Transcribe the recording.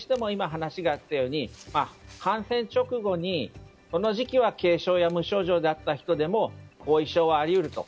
話があったように感染直後の時期は軽症や無症状であった人でも後遺症はあり得ると。